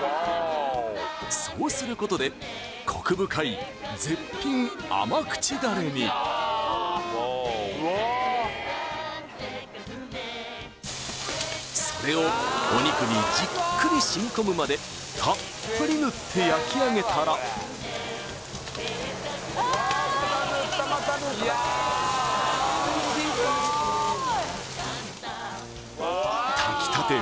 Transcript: そうすることでコク深い絶品甘口ダレにそれをお肉にじっくりしみ込むまでたっぷり塗って焼き上げたら炊きたて